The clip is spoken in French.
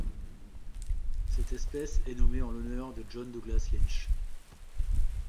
Cette espèce est nommée en l'honneur de John Douglas Lynch.